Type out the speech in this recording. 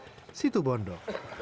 dari mustafa situ bondo